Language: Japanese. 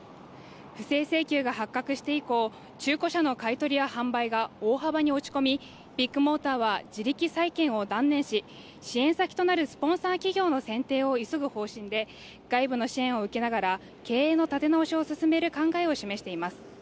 不正請求が発覚して以降中古車の買い取りや販売が大幅に落ち込みビッグモーターは自力再建を断念し支援先となるスポンサー企業の選定を急ぐ方針で外部の支援を受けながら経営の立て直しを進める考えを示しています